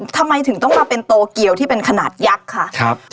ทำไมถึงต้องมาเป็นโตเกียวที่เป็นขนาดยักษ์ค่ะ